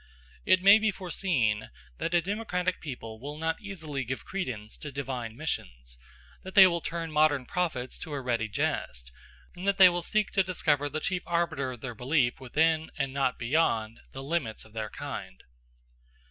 It may be foreseen that a democratic people will not easily give credence to divine missions; that they will turn modern prophets to a ready jest; and they that will seek to discover the chief arbiter of their belief within, and not beyond, the limits of their kind.